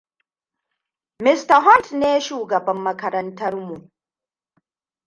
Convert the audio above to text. Mr. Hunt ne shugaban makarantar mu.